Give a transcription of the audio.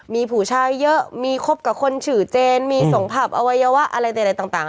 มีผู้ชายเยอะมีคบกับคนชื่อเจนมีส่งผับอวัยวะอะไรแต่อะไรต่าง